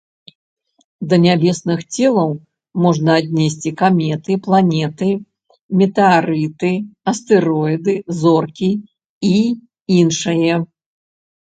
Да нябесных целаў можна аднесці каметы, планеты, метэарыты, астэроіды, зоркі і іншае.